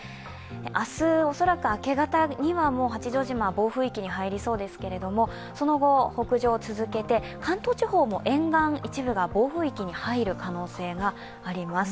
明日、恐らく明け方には、八丈島暴風域に入りそうですけれども、その後、北上を続けて関東地方も沿岸、一部が暴風域に入る可能性があります。